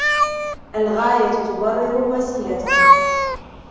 الغاية تبرر الوسيلة.